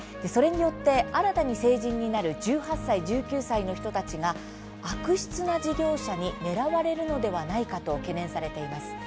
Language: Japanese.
それによって新たに成人になる１８歳、１９歳の人たちが悪質な事業者に狙われるのではないかと懸念されています。